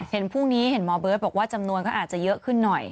พรุ่งนี้เห็นหมอเบิร์ตบอกว่าจำนวนก็อาจจะเยอะขึ้นหน่อย